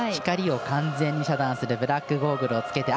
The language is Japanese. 光を完全に遮断するブラックゴーグルをつけて。